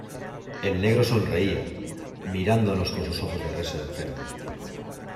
el negro sonreía, mirándonos con sus ojos de res enferma: